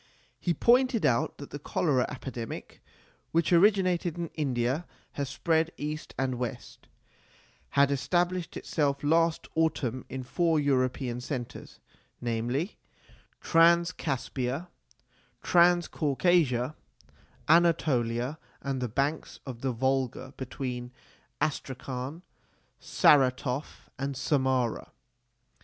He pointed out that the cholera epidemic, which originated in India and spread east and west, had established itself last autumn in four European centres, namely Transcaspia, Transcaucasia, Anatolia, and the banks of the Volga between Astrakhan, Saratoff, and Samara.